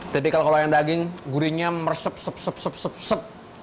jika kalian daging gurinya mersep sep sep sep sep